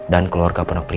dan keluarga berpengalaman